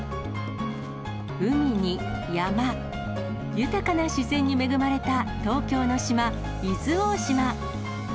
海に山、豊かな自然に恵まれた東京の島、伊豆大島。